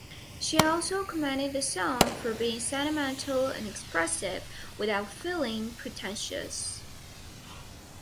She also commended the song for being "sentimental and expressive without feeling pretentious".